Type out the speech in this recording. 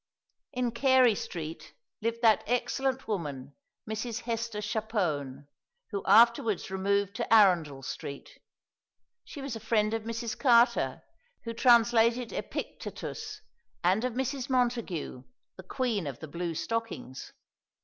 In Carey Street lived that excellent woman Mrs. Hester Chapone, who afterwards removed to Arundel Street. She was a friend of Mrs. Carter, who translated Epictetus, and of Mrs. Montagu, the Queen of the Blue Stockings.